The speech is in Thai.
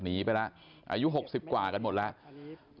หนีไปแล้วอายุ๖๐กว่ากันหมดแล้ว